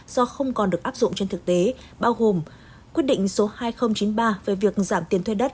do không còn được áp dụng trên thực tế bao gồm quyết định số hai nghìn chín mươi ba về việc giảm tiền thuê đất